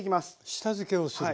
下漬けをする。